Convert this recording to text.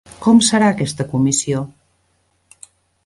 Com serà aquesta comissió?